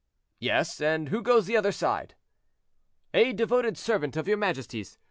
"Yes; and who goes the other side?" "A devoted servant of your majesty's, M.